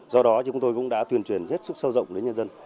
do đó chúng tôi cũng đã tuyên truyền hết sức sâu rộng đến nhân dân